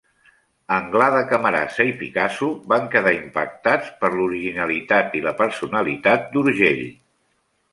Anglada Camarasa i Picasso van quedar impactats per l'originalitat i la personalitat d'Urgell.